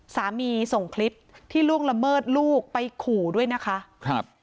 ส่งคลิปที่ล่วงละเมิดลูกไปขู่ด้วยนะคะครับ